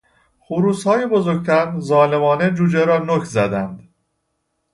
خروسهای بزرگتر ظالمانه جوجه را نوک زدند.